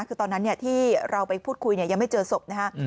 คือตอนนั้นที่เราไปพูดคุยยังไม่เจอศพนะฮะ